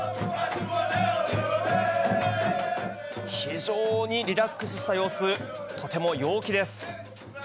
非常にリラックスした様子、とても陽気です。